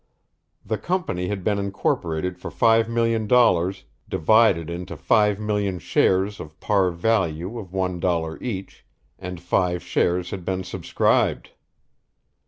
The company had been incorporated for five million dollars, divided into five million shares of par value of one dollar each, and five shares had been subscribed!